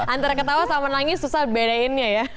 antara ketawa sama menangis susah bedainnya ya